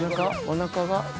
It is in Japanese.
おなかが。